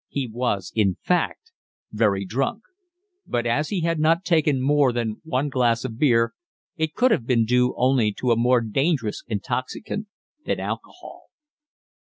He was in fact very drunk, but as he had not taken more than one glass of beer, it could have been due only to a more dangerous intoxicant than alcohol.